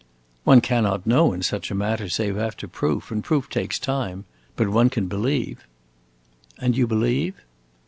"One cannot know in such a matter save after proof, and proof takes time. But one can believe." "And you believe?"